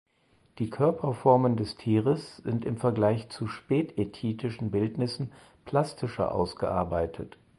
Die Körperformen des Tieres sind im Vergleich zu späthethitischen Bildnissen plastischer ausgearbeitet.